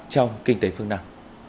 trong kinh tế phương nam